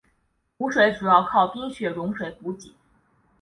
湖水主要靠冰雪融水补给。